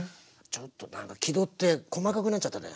ちょっとなんか気取って細かくなっちゃったね。